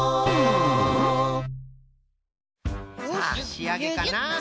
さあしあげかな？